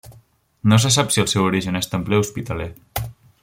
No se sap si el seu origen és templer o hospitaler.